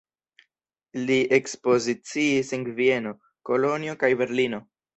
Li ekspoziciis en Vieno, Kolonjo kaj Berlino.